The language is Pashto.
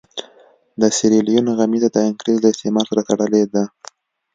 د سیریلیون غمیزه د انګرېز له استعمار سره تړلې ده.